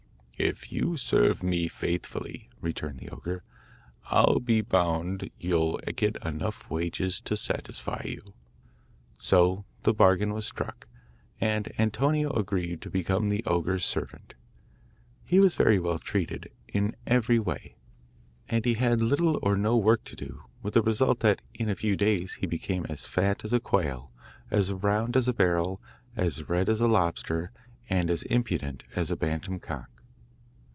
'If you serve me faithfully,' returned the ogre, 'I'll be bound you'll get enough wages to satisfy you.' So the bargain was struck, and Antonio agreed to become the ogre's servant. He was very well treated, in every way, and he had little or no work to do, with the result that in a few days he became as fat as a quail, as round as a barrel, as red as a lobster, and as impudent as a bantam cock.